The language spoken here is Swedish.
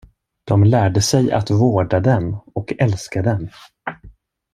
De lärde sig att vårda den och älska den.